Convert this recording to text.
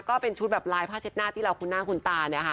ก็เป็นชุดแบบลายผ้าเช็ดหน้าที่เราคุ้นหน้าคุ้นตาเนี่ยค่ะ